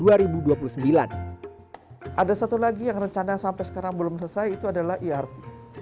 ada satu lagi yang rencana sampai sekarang belum selesai itu adalah erp